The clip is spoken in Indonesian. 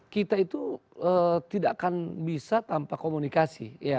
kita itu tidak akan bisa tanpa komunikasi